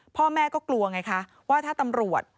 พ่อแม่ก็กลัวไงคะว่าถ้าตำรวจ